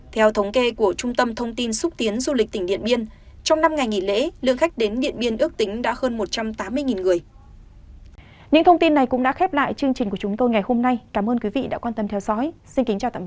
theo thống kê của trung tâm thông tin xúc tiến du lịch tỉnh điện biên trong năm ngày nghỉ lễ lượng khách đến điện biên ước tính đã hơn một trăm tám mươi người